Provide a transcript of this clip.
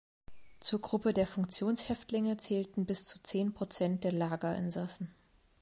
Zur Gruppe der Funktionshäftlinge zählten bis zu zehn Prozent der Lagerinsassen.